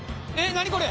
何これ！